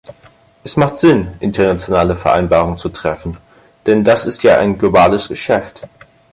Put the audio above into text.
Es macht Sinn, internationale Vereinbarungen zu treffen, denn das ist ja ein globales Geschäft.